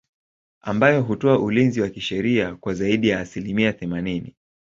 Ambayo hutoa ulinzi wa kisheria kwa zaidi ya asilimia themanini